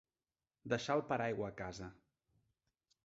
Deixar el paraigua a casa.